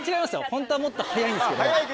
ホントはもっと速いんですけど。